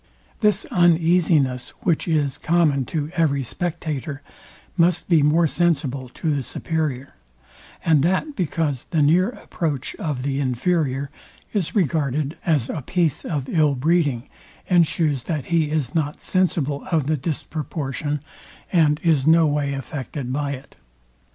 This uneasiness, which is common to every spectator, must be more sensible to the superior; and that because the near approach of the inferior is regarded as a piece of ill breeding, and shews that he is not sensible of the disproportion, and is no way affected by it.